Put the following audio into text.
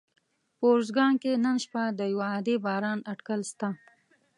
په اروزګان کي نن شپه د یوه عادي باران اټکل سته